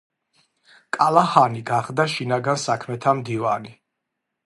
კალაჰანი გახდა შინაგან საქმეთა მდივანი.